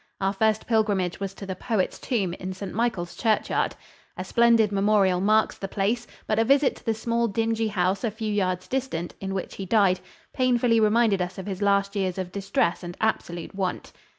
Our first pilgrimage was to the poet's tomb, in St. Michael's churchyard. A splendid memorial marks the place, but a visit to the small dingy house a few yards distant, in which he died, painfully reminded us of his last years of distress and absolute want.